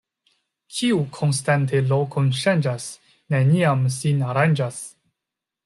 Kiu konstante lokon ŝanĝas, neniam sin aranĝas.